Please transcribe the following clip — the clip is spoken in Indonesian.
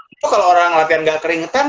itu kalau orang latihan gak keringetan